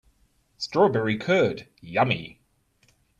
Strawberry curd, yummy!